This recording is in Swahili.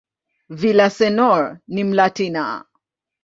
Villaseñor ni "Mlatina".